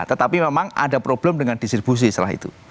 tetapi memang ada problem dengan distribusi setelah itu